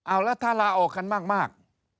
เอาแล้วถ้าลาออกกันมาก